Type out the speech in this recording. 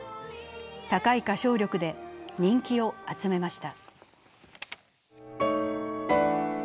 高い歌唱力で人気を集めました。